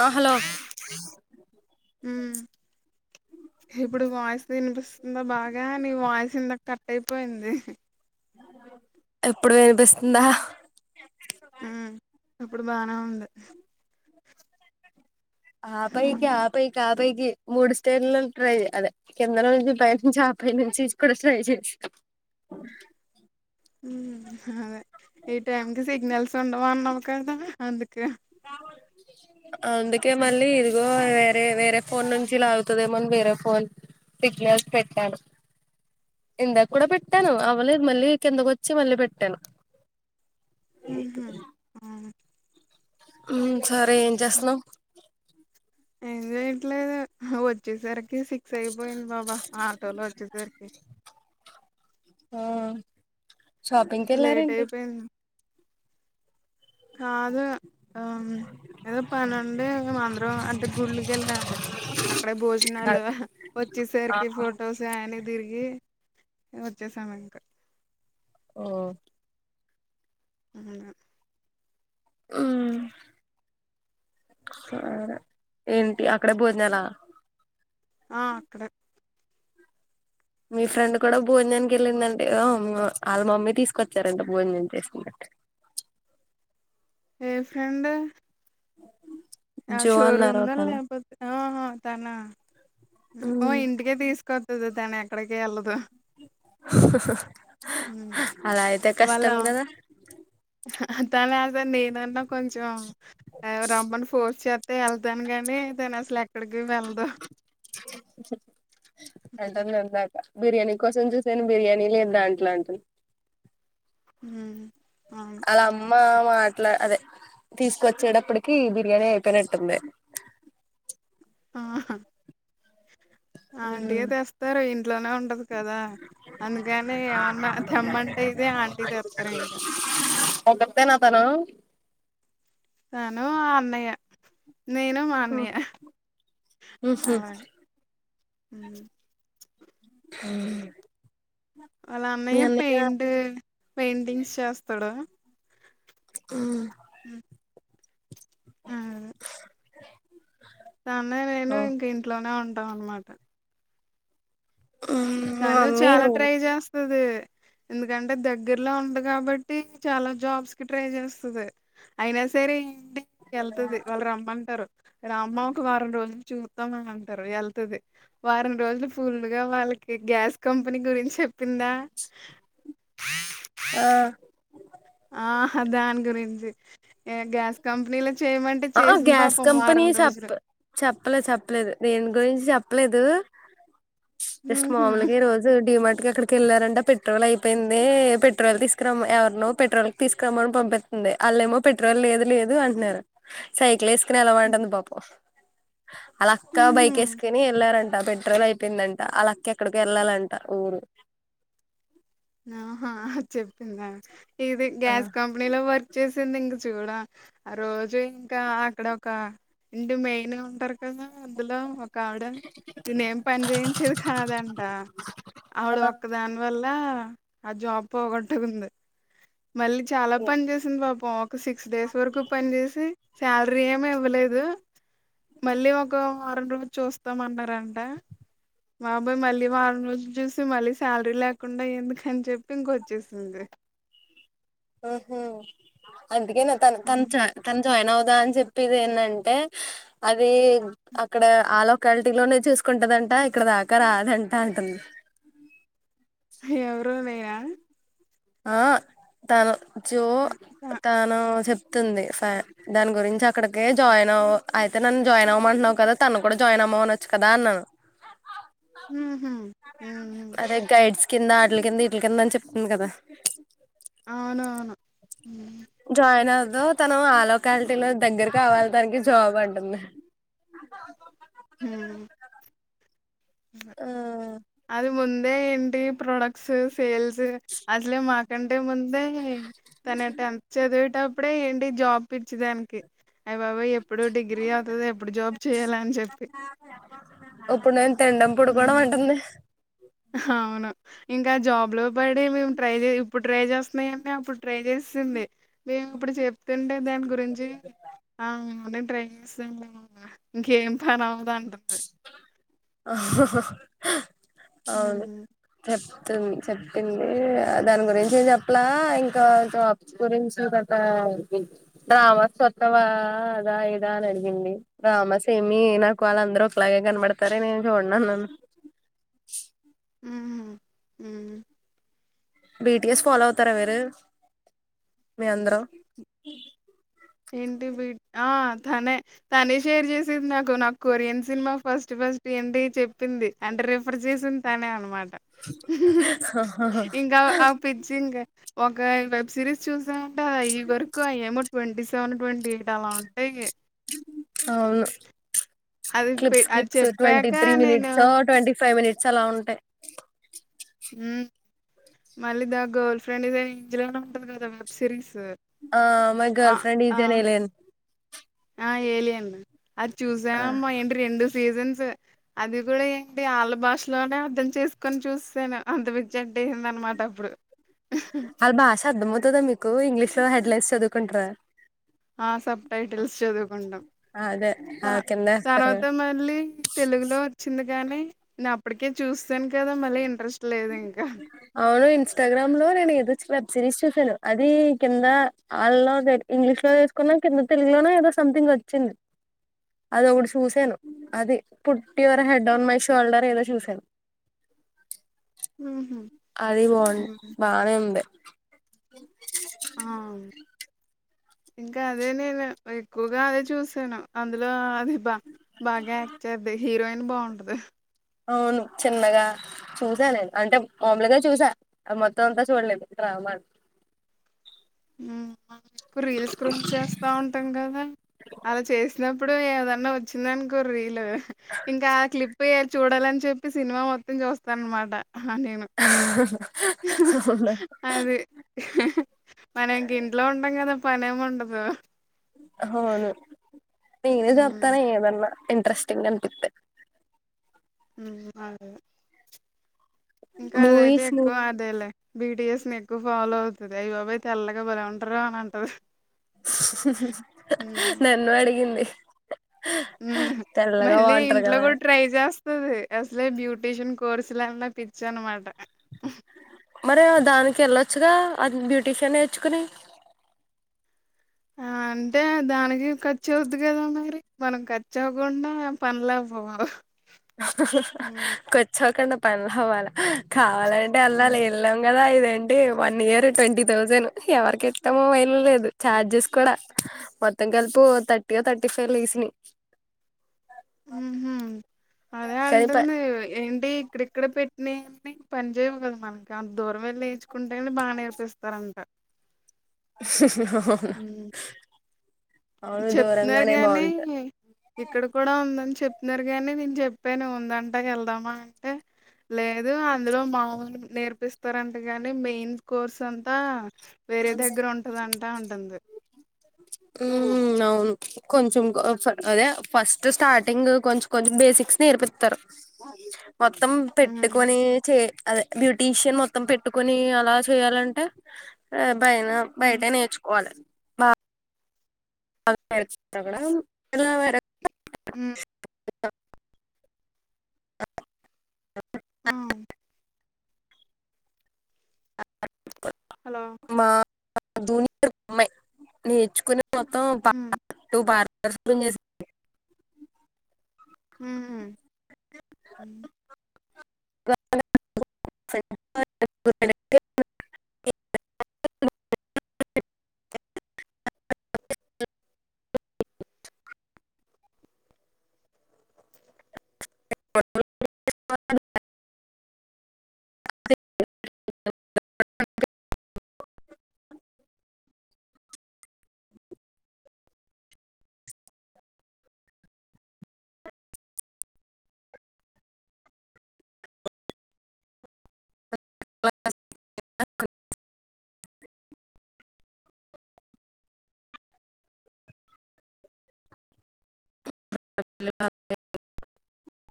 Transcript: ఆ హలో మ్హ్ హిప్పుడు వాయిస్ వినిపిస్తుందా బాగా నీ వాయిస్ ఇందక కట్ అయిపోయింది. ఇప్పుడు వినిపిస్తుందా? మ్మ్ ఇప్పుడు బానే ఉంది. ఆ పైకి ఆ పై ఆ పైకి మూడు స్టేర్లను ట్రై అదే కిందలో నుంచి పై నుంచి ఆపాపై నుంచి కూడా ట్రై చేస్ అదే ఈ టైంకి సిగ్నల్స్ ఉండవు అన్నావు కదా అందు అందుకే మల్లీ ఇదిగొ వేరే వేరే ఫోన్ నుంచీ లాగుతుదేమోని వేరే ఫోన్ టిక్లేస్ పెట్టాను. ఇందాక్కూడా పెట్టాను అవలేదు, మల్లీ కిందకొచ్చి మల్లీ పెట్టాను. అ ఉహు అవును. హ్మ్ సరే ఏం చేస్తన్నావు? ఏం జెయట్లేదు హా వచ్చేసార సిక్స్ అయిపోయింది బాబా ఆటోలో వచ్చేసరికి. హ్మ్ షాపింగ్ కి ఇంకా లేట్ వెళ్లారేంటి? కాద ఆం ఏదో పనుండీ మేం అందరం అంటే గుళ్ళోకి ఎళ్లావండి. అక్కడే భోజనాలు, వచ్చేసరికి ఫొటోస్ అయన్ని తిరిగీ వచ్చేసామింక. ఓ అలాగా హ్మ్ సరే ఏంటి అక్కడే భోజనాలా ఆ అక్కడే మీ ఫ్రెండ్ కూడా భోజనానికి వెళ్ళిందంటగా వాళ్ళ మమ్మీ తీసుకొచ్చారంట భోజనం చేసింద ఏ ఫ్రెండ్ ఆ జో షోరూమ్ అన్నారు దా తను లేకపోతే ఆహ తనా ఓ ఇంటికే తీసుకొత్తది తను ఎక్కడికి వెళ్ళదు ఉమ్. అలా అయితే కష్టం కదా తనసలు నేనన్నా కొంచెం రమ్మని ఫోర్స్ చేస్త వెళ్ తాను కానీ తను అసలు ఎక్కడికి వెళదు అంటంది ఇందాకా బిర్యానీ కోసం చూసాను బిర్యానీ లేదు దాంట్లో అంటంది హ్మ్ ఆళ్ళమ్మ అట్లా అదే తీసుకొచ్చేటప్పటికి బిర్యానీ అయిపోయినట్టుంది ఆ ఆంటీ యే తెస్తారు ఇంట్లోనే ఉంటది కదా అందుకనే ఏమన్నా తెమ్మంటే ఇదే ఆంటీ తెత్తరు ఇంకా ఒకత్తేనా తను తను ఆ అన్నయ్య నేను మా అన్నయ్య అలాగ హ్మ్ వాళ్ళ అన్నయ్య పెయింట్ పెయింటింగ్స్ చేస్తాడు అ అ హ్మ్ తను నేను ఇంక ఇంట్లోనే ఉంటాం అన్నమాట తను మమ్మీ చాలా నువ్వు ట్రై చేస్తది ఎందుకంటే దగ్గరలో ఉంది కాబట్టి చాలా జాబ్స్ కి ట్రై చేస్తది అయినా అయినా సరే ఏంటి వెళ్తుది వాళ్ళు రమ్మంటరు రామ్మా ఒక వారం రోజుల చూ అంటారు వెళ్తది వారం రోజులు ఫుల్లుగా వాళ్ళకి గ్యాస్ కంపెనీ గురించి చె తిందా ఆ ఏ గ్యాస్ కంపెనీలో చేయమంటే చేసింది పాపం వారం రోజులు చెప్పలేదు చెప్పలేదు నేను గురించి చెప్పలేదు జస్ట్ ఉహు మామూలుగా ఈరోజు డీ మార్ట్ ఇక అక్కడికి వెళ్ళారంట పెట్రోల్ అయిపోయింది పెట్రోల్ తీసుకురమ్ ఎవరినో పెట్రోల్ కి తీసుకురమ్మని పంపిత్ వాళ్ళేమో పెట్రోల్ లేదు లేదు అంటున్నారు సైకిల్ వేసుకుని వెళ్ళమంటుంది పాపం ఆళ్ళక్క ఉహు బైక్ ఎస్కోని వెళ్ళారంట పెట్రోల్ అయిపోయిందంట ఆళ్ళ అక్క ఎక్కడికో వెళ్ళాలంట ఊరు ఆహా ఇది గ్యాస్ కంపెనీలో వర్క్ చేసి చచ్చింది ఇంక చూడ ఆ రోజు ఇంకా అక్కడ ఒక ఇంటి మెయిన్ గా ఉంటారు కదా అందులో ఒక ఆవిడ దీన్ని ఏం పని చేయించేది కాదంట ఆవిడ ఆ ఒక్క దాని వల్ల ఆ ఆ జాబ్ పోగొట్టుకుంది మళ్ళీ చాలా పని చేసింది పాపం ఒక సిక్స్ డేస్ వరకు పని చేసి శాలరీ ఏమి ఇవ్వలేదు మళ్ళీ ఒక వారం రోజులు చూస్తాం అన్నారంట బాబోయ్ మళ్ళీ వారం రోజులు చూసి మళ్ళీ శాలరీ లేకుండా ఎందుకు అని చెప్పి ఇంకొచ్చేసింది ఊహూ అందుకేనా తను తను త జాయిన్ అవుదా అని చెప్పేది ఎందంటే అది అక్కడ ఆ లోలకాలిటీ లోనే చూస్ ఉంటదంట ఇక్కడ దాకా రాదంట అంటుంది ఎవరు నేనా ఆ తను జో తాను చె ంది ఫన్ దని గురించి అక్కడికే జాయిన్ అవ అయితే నన్ను జాయిన్ అవ్వమ అంటున్నావు కదా తను కూడా జాయిన్ అవ [unintelligible] నువ్ అనొచ్చు కదా అన్నాను హ్మ్ అదే గైడ్స్ కింద ఆటిల కింద వటిల కింద అని చెప్తుంది కదా అవును అవును జాయిన్ అవుదుా తన ఆ లోకాలిటీ లో దగ్గర కావాలి దానికి జాబ్ అంటుంది హ్మ్ ఆ అది ముందే ఇంటి ప్రొడక్ట్స్ ఫెయిల్స్ అసలే మాకంటే ముందే తన టెన్త్ చదివేట అప్పుడే ఏంటి జాబ్ పిర్చిదానికి అవి బాబా ఎప్పుడు డిగ్రీ అవుతుంది ఎప్పుడు జాబ్ చేయాలీ అని చెప్పి ఇప్పుడు నేను తినడం పడుకోవడం ఉమ్ అంటుంది అవును ఇంకా జాబ్ లో పడి మేము ట్రై చే ఇప్పుడు ట్రై చేస్తున్నాయమ అప్పుడు ట్రై చేసి వస్తుంది మేము ఇప్పుడు చెప్తుంటే దాని గురించి ఆ డ్రైస్ ఉ ఇంకేం పని అంటుంది. అవును హుహు. చెప్పు చెప్పింది దాని గురించి చెప్పలా ఇంకా జాబ్స్ గురించి గట్ట రామస్ కొత్తవా అదా ఏదా అని అడిగింది రామస్ ఏమి నాకు వాళ్ళ అందరుూ ఒకలాగే కనబడతారే నేను చూడను అన్నాను హ్మ్ హ్మ్ బీటిఎస్ ఫాలో అవుతారా మీరు మీ అందరు ఏంటి బీ ఆ! తనే తనే షేర్ చేసేది నాకు నాకు కొరియన్ సినిమా ఫస్ట్ ఫస్ట్ ఏంటి చెప్పింది అంటే రిఫర్ చేసిన తనే అనమాట ఇంకా ఆ పిచ్చి ఇంకా ఒక వెబ్ సిరీస్ చూసా అంటే ఇ వరకు అ ఏమోట్వంటీ వన్ ట్వంటీఎయిట్ అలా ఉంటాయి అవును అది పె క్లిప్స్ అది క్లిప్స్ ట్వంట చెప్పాక త్రీ నేను మినిట్సో ట్వంట ఫైవ్ మట్స్ చలా ఉంటాయి ఉ మళ్ళీ the girl friend is an angel ఉంటది కదా వెబ్ సిరీస్ ఆ మై ఆ గర్ల్ఫ్రెండ్ ఆ ఇస్ అన్ ఏలియన్ ఆ ఏలియన్ ఆది చూసావా మైండ్ రెండ్ సీజన్స్ అది కూడా ఏంటి అలా భాషలోనే అర్థం చేసుకొని చేసేసాను అంతపిచ్చి ఏంది అనమాట అప్పుడు ఆళ్ళ భాష అర్థమవుతుద మీకు ఇంగ్లీష్ లో హెడ్లైన్స్ చదువుకుంటారా ఆ సబ్ టైటిల్స్ చదువుకుంటాం అదే ఆ త కింద వేస్తారు తర్వాత మళ్ళీ తెలుగులో వచ్చింది కానీ నేను అప్పటికి చేసేసాను కదా మళ్ళీ ఇంట్రెస్ట్ లేదు ఇంకా అవును ఇన్స్టాగ్రామ్లో నేను ఎదు వెబ్ సిరీస్ చూసాను అది కింద ఆ ఇంగ్లీష్ లో వేసుకున్నా కింద తెలుగులోనే ఏదో సామ్ వచ్చింది అది ఒకటి చూసాను అది put your head on my shoulder ఏదో చూసాను ఊహూ ఐ వాంట్ బానే ఉంది ఆ ఇంకా అదే నేను ఎక్కువగా అదే చూసాను అందులో అది బా బాగా యాక్ట్ చేతది హీరోయిన్ బాగుంటది అవును చిన్నగా చూసా నేను అంటే మాములుగా చూసా మొత్తం అంతా చూడలేదు అమన్ హ్మ్ మనం ఎక్కువ రీల్స్ స్క్రోల్ చేస్తాతాంటాం కదా అలా చేసినప్పు ఇప్పుడు ఏదన్న వచ్చిందనికో రీలు ఇంకా ఆ క్లిప్ పేరు చూడాలని చెప్పి సినిమా మొత్తం చూస్తాను అనమాట నేను అ అది మనం ఇంక ఇంట్లో ఉంటాం కదా పనేం ఉండదు అవును నినే ఉమ్, చెప్తాను ఏదన్నా ఇంట్రెస్టింగ్ అనిపితే అ ఇంకా అదైతే మూవీస్ నువ్వు ఎక్కువ అదేలే బీటిఎస్ ని ఎక్కువ ఫాలో అవుతది అయ్ బాబోయ్ తెల్లగా బాలే ఉంటారు అని అంటది ఉమ్. నన్ను అడిగింది హ్మ్ తెల్లగా మళ్ళీ బాగుంటారు ఇంట్లో కదా కూడా ట్రై చేస్ ఉంటది అసలే బ్యూటీషియన్ కోర్సు లన్న పిచ్చి అనమాట మరి దానికి వెళ్ళొచ్చుగా అది బ్యూటీషియన్ నేర్చుకోని ఆ అంటే దానికి ఖర్చు అవుదు కదా మరి మనకి ఖర్చు అవ్వకుండా పనులవవు కూర్చోకుండా పనులు అవ్వాలి కావాలంటే ఎలాలి హ్మ్. వెళ్ళాము కదా ఇదేంటి వన్ ఇయర్ ట్వంటీ థౌజండ్ ఎవరికి ఇస్తామో వైల్ లేదు ఛార్జెస్ కూడా మొత్తం కలుపో థర్టీవో థర్టీ ఫైవ్ లేసినాయ్ హ్మ్ హు అదే కానీ అంటుంది ఏంటి క్రి ఇక్కడ పెట్టినయ్ పని చేయవు కదా మనకి అంత దూరం వెళ్ళి నేర్చుకుంటేని బా నేర్పిస్తారంట అవునా హ్మ్. చెప్తున్నారు గాని ఇక్కడ కూడా ఉందని చెప్ ముందర్ గానే నేను చెప్పాను ఉందంటా వెళ్దామా అంటే లేదు అందులో మాములు నేర్పిస్తారంటే గానీ మెయిన్ కోర్స్ అంతా వేరే దగ్గర ఉంటుందంటా అంటంది హ్మ్ అవును కొంచం అదే ఫస్ట్ స్టార్టింగ్ కొంచం కొంచం బేసిక్స్ నేర్పిస్తారు మొత్తం ఉ పెట్టుకోని చే అదే బ్యూటీషియన్ మొత్తం పెట్టుకోని అలా చేయాలంటే పైన బయట ఉ నేర్చుకోవాలని బా [inaudible] ఎత అ ఆ హలో మా జూనియర్ అమ్మాయి నేర్చుకొని మొత్తం ప ఉ టూ పార్లర్స్ [unintelligible] హ్మ్ [inaudible] [inaudible] [inaudible] [inaudible] [inaudible] [inaudible]